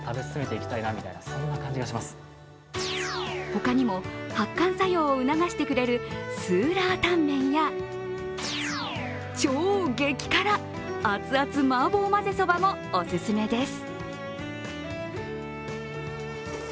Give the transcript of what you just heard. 他にも発汗作用を促してくれるスーラータン麺や超激辛、熱々麻婆混ぜそばもオススメです。